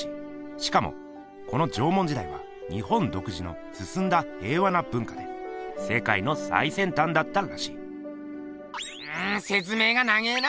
しかもこの縄文時代は日本独自の進んだ平和な文化で世界の最先端だったらしい説明が長えな！